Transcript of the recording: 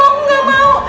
aku gak mau